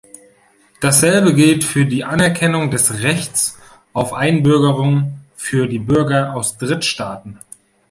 Dasselbe gilt für die Anerkennung des Rechts auf Einbürgerung für die Bürger aus Drittstaaten.